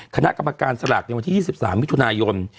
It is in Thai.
คณะกรรมการสลากในวันที่๒๓มิถุนายน